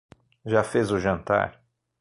Já fez o jantar?